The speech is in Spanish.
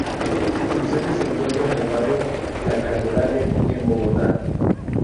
Su sede se encuentra en el barrio La Candelaria en Bogotá.